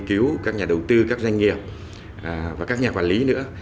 cứu các nhà đầu tư các doanh nghiệp và các nhà quản lý nữa